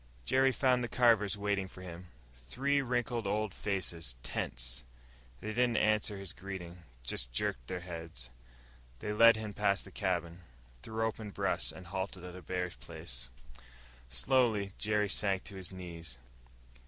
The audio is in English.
Jerry found the Carvers waiting for him, their wrinkled old faces tense. They didn't answer his greeting, just jerked their heads. They led him past the cabin, through open brush, and halted at a bare place. Slowly, Jerry sank to his knees.